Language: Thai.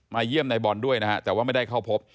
เยี่ยมในบอลด้วยนะฮะแต่ว่าไม่ได้เข้าพบ